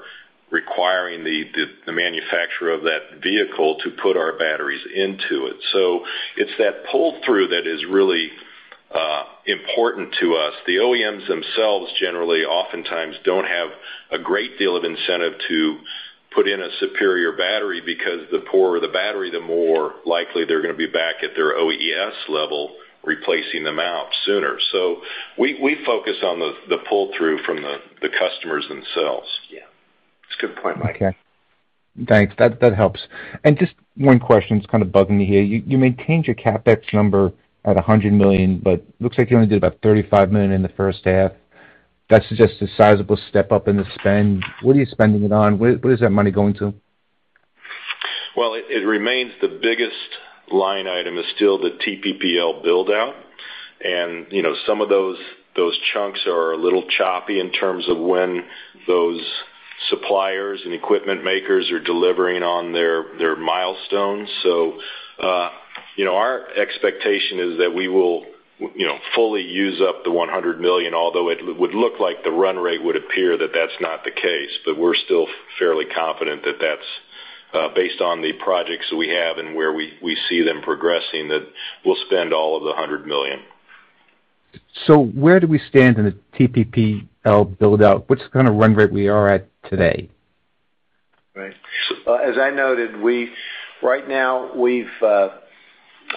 requiring the manufacturer of that vehicle to put our batteries into it. So it's that pull-through that is really important to us. The OEMs themselves generally oftentimes don't have a great deal of incentive to put in a superior battery because the poorer the battery, the more likely they're gonna be back at their OES level, replacing them out sooner. So we focus on the pull-through from the customers themselves. Yeah, that's a good point, Mike. Okay. Thanks. That helps. Just one question. It's kinda bugging me here. You maintained your CapEx number at $100 million, but it looks like you only did about $35 million in the first half. That suggests a sizable step-up in the spend. What are you spending it on? Where is that money going to? Well, it remains the biggest line item is still the TPPL build-out. You know, some of those chunks are a little choppy in terms of when those suppliers and equipment makers are delivering on their milestones. You know, our expectation is that we will, you know, fully use up the $100 million, although it would look like the run rate would appear that that's not the case. We're still fairly confident that that's based on the projects we have and where we see them progressing, that we'll spend all of the $100 million. Where do we stand in the TPPL build-out? What's the kind of run rate we are at today? Right. Well, as I noted, right now,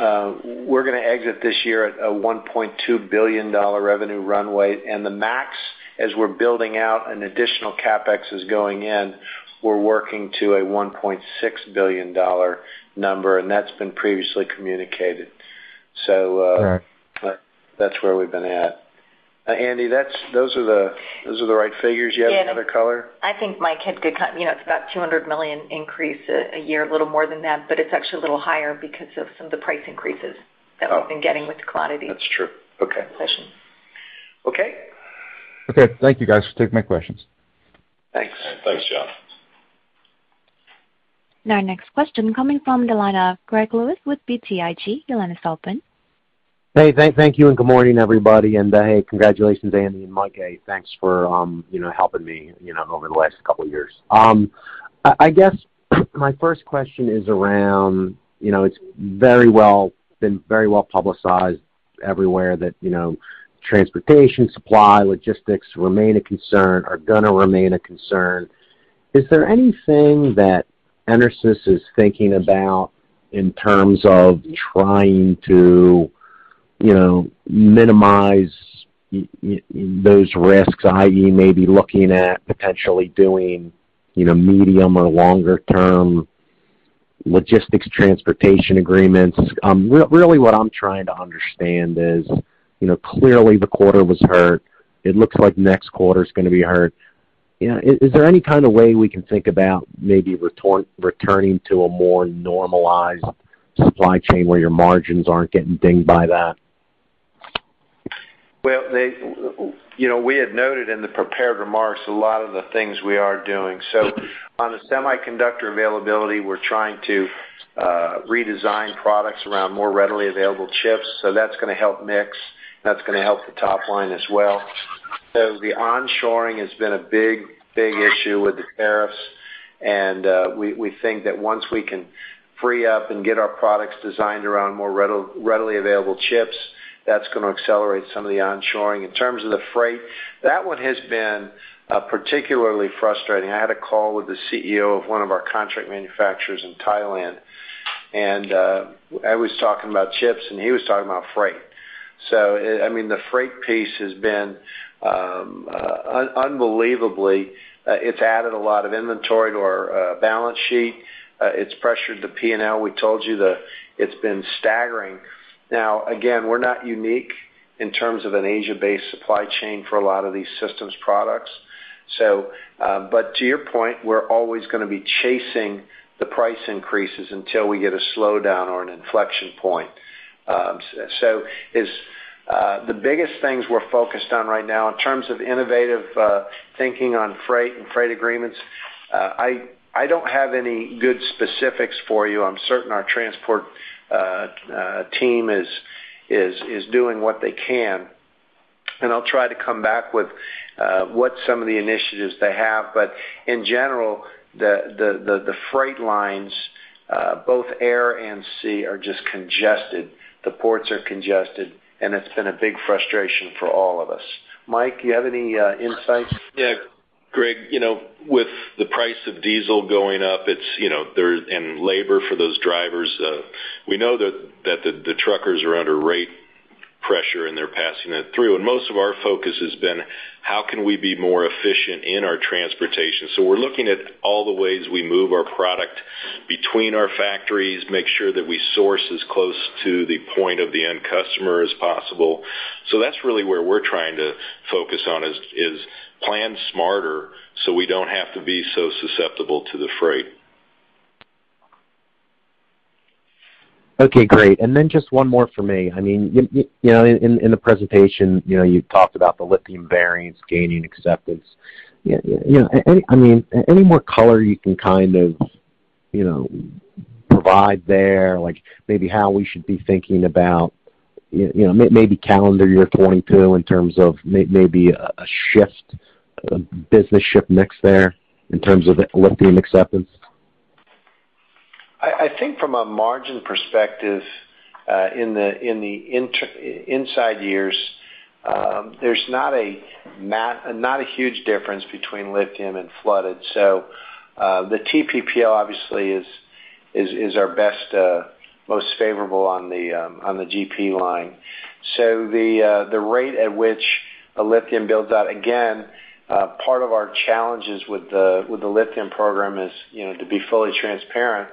we're gonna exit this year at a $1.2 billion revenue runway. The max, as we're building out an additional CapEx is going in, we're working to a $1.6 billion number, and that's been previously communicated. All right. That's where we've been at. Andi, those are the right figures. You have any other color? Yeah. I think Mike had, you know, it's about $200 million increase a year, a little more than that, but it's actually a little higher because of some of the price increases that we've been getting with commodity. That's true. Okay. Position. Okay? Okay. Thank you, guys. Take my questions. Thanks. Thanks, John. Now next question coming from the line of Greg Lewis with BTIG. Your line is open. Hey, thank you and good morning, everybody. Hey, congratulations, Andi and Mike. Thanks for, you know, helping me, you know, over the last couple of years. I guess my first question is around, you know, it's been very well publicized everywhere that, you know, transportation supply, logistics remain a concern or gonna remain a concern. Is there anything that EnerSys is thinking about in terms of trying to, you know, minimize those risks, i.e., maybe looking at potentially doing, you know, medium or longer term logistics transportation agreements? Really what I'm trying to understand is, you know, clearly the quarter was hurt. It looks like next quarter is gonna be hurt. You know, is there any kind of way we can think about maybe returning to a more normalized supply chain where your margins aren't getting dinged by that? Well, you know, we had noted in the prepared remarks a lot of the things we are doing. On the semiconductor availability, we're trying to redesign products around more readily available chips. That's gonna help mix. That's gonna help the top line as well. The onshoring has been a big issue with the tariffs, and we think that once we can free up and get our products designed around more readily available chips, that's gonna accelerate some of the onshoring. In terms of the freight, that one has been particularly frustrating. I had a call with the CEO of one of our contract manufacturers in Thailand, and I was talking about chips, and he was talking about freight. I mean, the freight piece has been unbelievably, it's added a lot of inventory to our balance sheet. It's pressured the P&L. We told you that it's been staggering. Now, again, we're not unique in terms of an Asia-based supply chain for a lot of these systems products. To your point, we're always gonna be chasing the price increases until we get a slowdown or an inflection point. The biggest things we're focused on right now in terms of innovative thinking on freight and freight agreements, I don't have any good specifics for you. I'm certain our transport team is doing what they can, and I'll try to come back with what some of the initiatives they have. In general, the freight lines, both air and sea are just congested. The ports are congested, and it's been a big frustration for all of us. Mike, you have any insights? Yeah. Greg, you know, with the price of diesel going up, it's, you know, and labor for those drivers, we know that the truckers are under rate pressure, and they're passing it through. Most of our focus has been how can we be more efficient in our transportation? We're looking at all the ways we move our product between our factories, make sure that we source as close to the point of the end customer as possible. That's really where we're trying to focus on is to plan smarter, so we don't have to be so susceptible to the freight. Okay, great. Then just one more for me. I mean, you know, in the presentation, you know, you talked about the lithium variants gaining acceptance. You know, I mean, any more color you can kind of, you know, provide there, like maybe how we should be thinking about, you know, maybe calendar year 2022 in terms of maybe a shift, business shift mix there in terms of the lithium acceptance. I think from a margin perspective, in the interim years, there's not a huge difference between lithium and flooded. The TPPL obviously is our best most favorable on the GP line. The rate at which a lithium builds out, again, part of our challenges with the lithium program is, you know, to be fully transparent,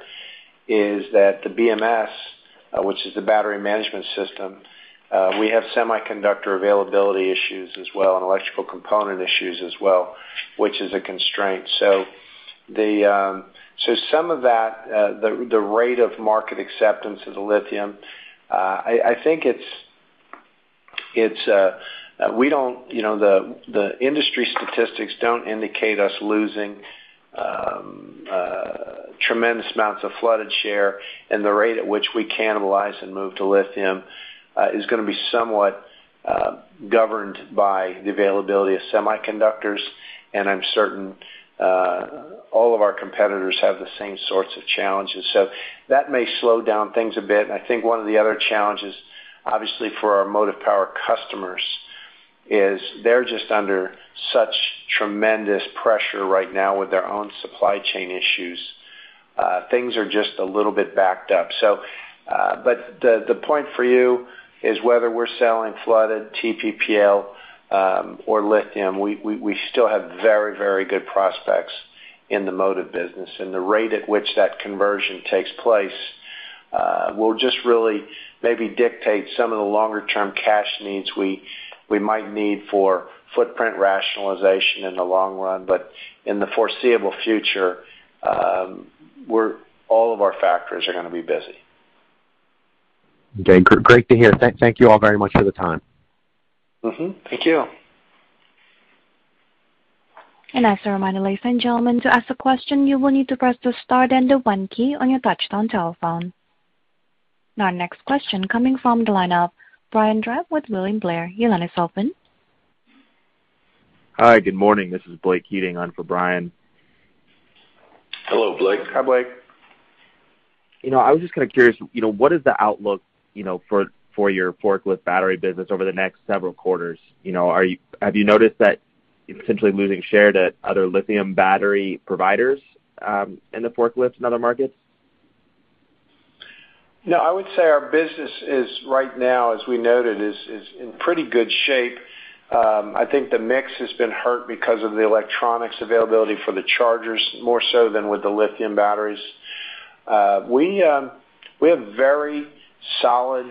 that the BMS, which is the battery management system, we have semiconductor availability issues as well, and electrical component issues as well, which is a constraint. Some of that, the rate of market acceptance of the lithium, I think it's we don't. You know, the industry statistics don't indicate us losing tremendous amounts of flooded share. The rate at which we cannibalize and move to lithium is gonna be somewhat governed by the availability of semiconductors. I'm certain all of our competitors have the same sorts of challenges. That may slow down things a bit. I think one of the other challenges, obviously for our Motive Power customers, is they're just under such tremendous pressure right now with their own supply chain issues. Things are just a little bit backed up. The point for you is whether we're selling flooded TPPL or lithium, we still have very, very good prospects in the Motive business. The rate at which that conversion takes place will just really maybe dictate some of the longer-term cash needs we might need for footprint rationalization in the long run. In the foreseeable future, all of our factories are gonna be busy. Okay. Great to hear. Thank you all very much for the time. Mm-hmm. Thank you. As a reminder, ladies and gentlemen, to ask a question, you will need to press the star then the one key on your touchtone telephone. Our next question coming from the line of Brian Drab with William Blair. Your line is open. Hi. Good morning. This is Blake Keating on for Brian. Hello, Blake. Hi, Blake. You know, I was just kinda curious, you know, what is the outlook, you know, for your forklift battery business over the next several quarters? You know, have you noticed that you're potentially losing share to other lithium battery providers in the forklifts and other markets? No, I would say our business is right now, as we noted, in pretty good shape. I think the mix has been hurt because of the electronics availability for the chargers more so than with the lithium batteries. We have very solid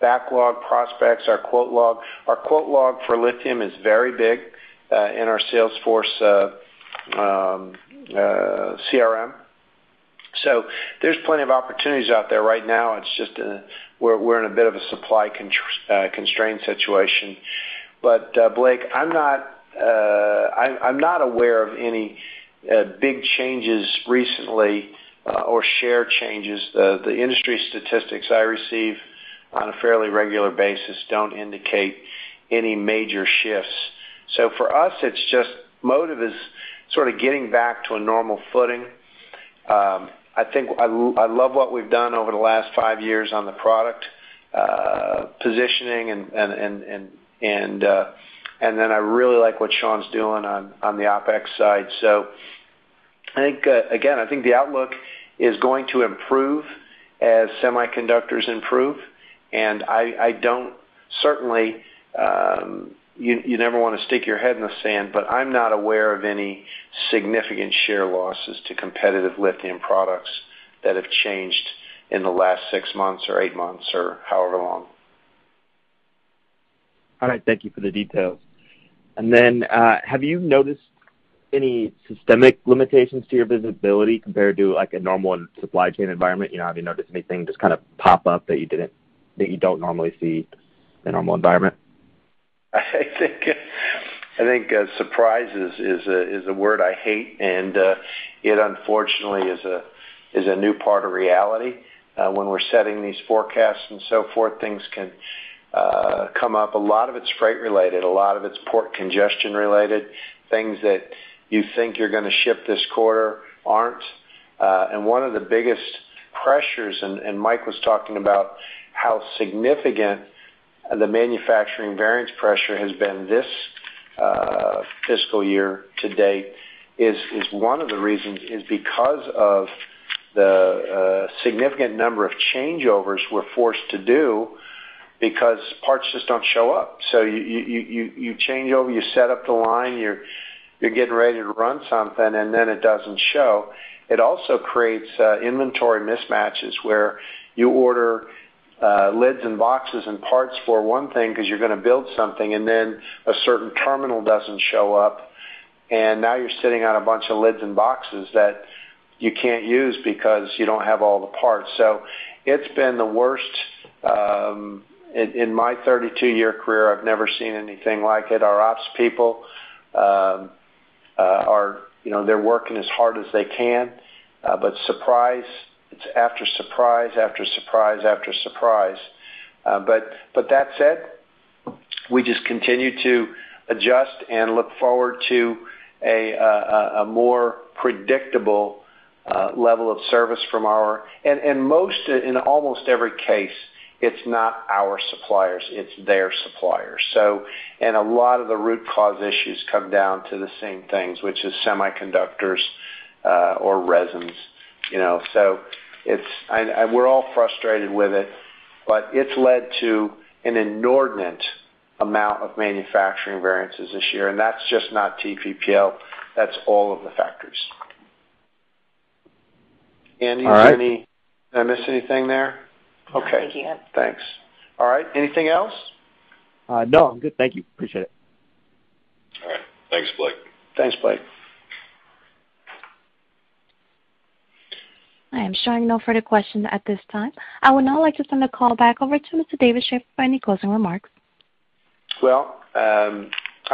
backlog prospects. Our quote log for lithium is very big in our sales force CRM. There's plenty of opportunities out there right now. It's just we're in a bit of a supply constraint situation. Blake, I'm not aware of any big changes recently or share changes. The industry statistics I receive on a fairly regular basis don't indicate any major shifts. For us, it's just Motive is sort of getting back to a normal footing. I think I love what we've done over the last five years on the product positioning and then I really like what Shawn's doing on the OpEx side. I think, again, I think the outlook is going to improve as semiconductors improve. I certainly don't. You never wanna stick your head in the sand, but I'm not aware of any significant share losses to competitive lithium products that have changed in the last six months or eight months, or however long. All right. Thank you for the details. Have you noticed any systemic limitations to your visibility compared to like a normal supply chain environment? You know, have you noticed anything just kind of pop up that you didn't, that you don't normally see in a normal environment? I think surprise is a word I hate, and it unfortunately is a new part of reality. When we're setting these forecasts and so forth, things can come up. A lot of it's freight related, a lot of it's port congestion related. Things that you think you're gonna ship this quarter aren't. One of the biggest pressures, and Mike was talking about how significant the manufacturing variance pressure has been this fiscal year-to-date, is one of the reasons because of the significant number of changeovers we're forced to do because parts just don't show up. You change over, you set up the line, you're getting ready to run something, and then it doesn't show. It also creates inventory mismatches where you order lids and boxes and parts for one thing 'cause you're gonna build something, and then a certain terminal doesn't show up, and now you're sitting on a bunch of lids and boxes that you can't use because you don't have all the parts. So it's been the worst in my 32-year career. I've never seen anything like it. Our ops people, you know, are working as hard as they can. But surprise, it's surprise after surprise. But that said, we just continue to adjust and look forward to a more predictable level of service from our suppliers, and most, in almost every case, it's not our suppliers, it's their suppliers. A lot of the root cause issues come down to the same things, which is semiconductors, or resins, you know. It's led to an inordinate amount of manufacturing variances this year. That's just not TPPL, that's all of the factories. Andi, did any- All right. Did I miss anything there? Okay. No, I think you got it. Thanks. All right. Anything else? No, I'm good. Thank you. Appreciate it. All right. Thanks, Blake. Thanks, Blake. I am showing no further questions at this time. I would now like to turn the call back over to Mr. David Shaffer for any closing remarks. Well, I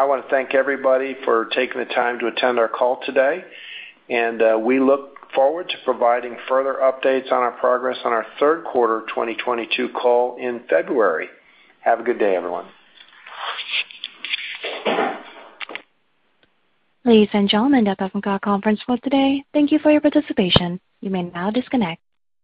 wanna thank everybody for taking the time to attend our call today, and we look forward to providing further updates on our progress on our third quarter 2022 call in February. Have a good day, everyone. Ladies and gentlemen, that concludes our conference call today. Thank you for your participation. You may now disconnect.